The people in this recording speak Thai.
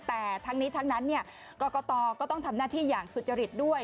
แต่ทั้งนี้ทั้งนั้นกรกตก็ต้องทำหน้าที่อย่างสุจริตด้วย